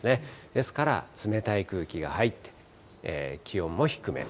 ですから冷たい空気が入って、気温も低め。